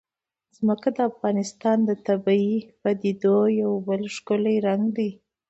ځمکه د افغانستان د طبیعي پدیدو یو بل ښکلی رنګ دی.